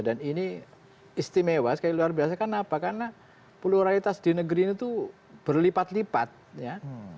dan ini istimewa sekali luar biasa karena apa karena pluralitas di negeri ini tuh berlipat lipat ya